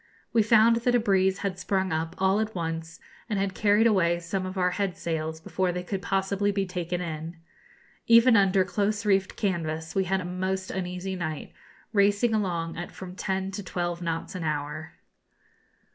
We found that a breeze had sprung up all at once, and had carried away some of our head sails before they could possibly be taken in. Even under close reefed canvas we had a most uneasy night, racing along at from ten to twelve knots an hour.